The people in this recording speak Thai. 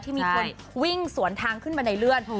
มีคนวิ่งสวนทางขึ้นมาในเลื่อน